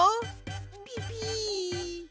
ピピッ。